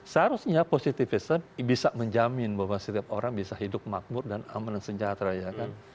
seharusnya positivism bisa menjamin bahwa setiap orang bisa hidup makmur dan aman dan sejahtera ya kan